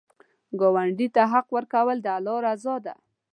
ګاونډي ته حق ورکول، د الله رضا ده